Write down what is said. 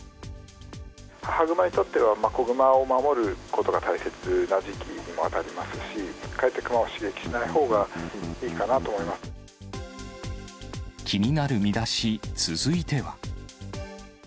母熊にとっては子熊を守ることが大切な時期にもあたりますし、かえって熊を刺激しないほうがい気になるミダシ、続いては。